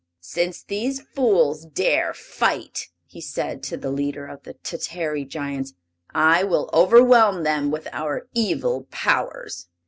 "Since these fools dare fight," he said to the leader of the Tatary Giants, "I will overwhelm them with our evil powers!"